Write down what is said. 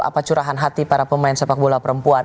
apa curahan hati para pemain sepak bola perempuan